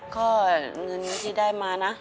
ก็เงินที่ได้มานะ